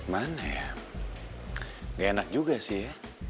mana ya nggak enak juga sih ya